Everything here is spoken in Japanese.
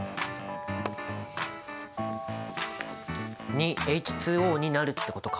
２ＨＯになるってことか。